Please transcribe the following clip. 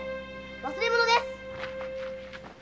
忘れ物です！